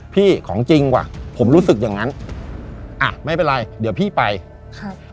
ของจริงว่ะผมรู้สึกอย่างงั้นอ่ะไม่เป็นไรเดี๋ยวพี่ไปครับ